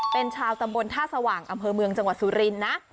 เป็นชาวตำบลท่าสว่างอำเภอเมืองจังหวัดสุรินทร์นะ